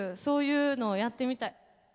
そういうのをやってみたい。